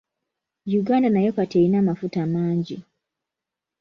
Uganda nayo kati erina amafuta mangi.